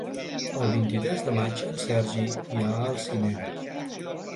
El vint-i-tres de maig en Sergi irà al cinema.